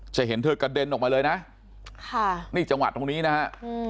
จะเห็นเธอกระเด็นออกมาเลยนะค่ะนี่จังหวะตรงนี้นะฮะ